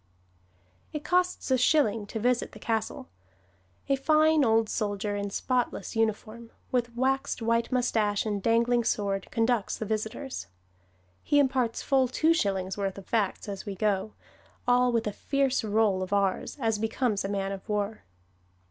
It costs a shilling to visit the castle. A fine old soldier in spotless uniform, with waxed white moustache and dangling sword, conducts the visitors. He imparts full two shillings' worth of facts as we go, all with a fierce roll of r's, as becomes a man of war.